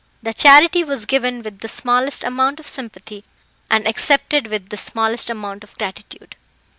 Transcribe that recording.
The charity was given with the smallest amount of sympathy, and accepted with the smallest amount of gratitude.